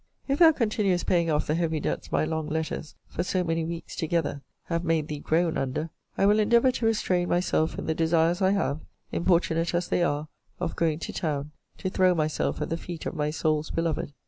If thou continuest paying off the heavy debts my long letters, for so many weeks together, have made thee groan under, I will endeavour to restrain myself in the desires I have, (importunate as they are,) of going to town, to throw myself at the feet of my soul's beloved.